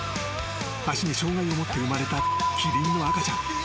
足に障害を持って生まれたキリンの赤ちゃん。